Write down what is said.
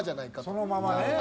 そのままね。